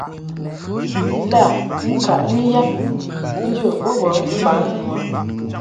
Lâ ŋkaʼni yab njə bo bə mfan nu a.